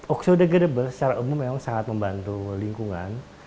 oksodegradable secara umum memang sangat membantu lingkungan